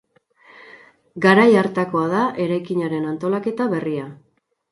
Garai hartakoa da eraikinaren antolaketa berria.